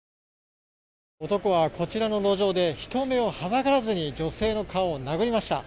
男は、こちらの路上で人目をはばからずに女性の顔を殴りました。